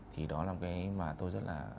thì đó là cái mà tôi rất là